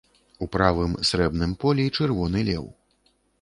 У правым, срэбным полі чырвоны леў.